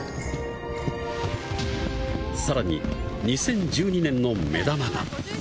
さらに２０１２年の目玉が。